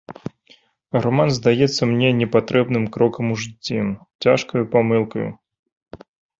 Раман здаецца мне непатрэбным крокам у жыцці, цяжкаю памылкаю.